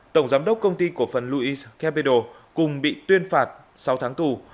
tổng giám đốc công ty cổ phần louis capital cùng bị tuyên phạt sáu tháng tù